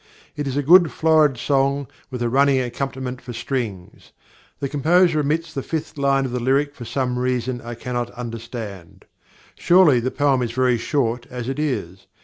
It is a good florid song, with a running accompaniment for strings. The composer omits the fifth line of the lyric for some reason I cannot understand. Surely the poem is very short as it is.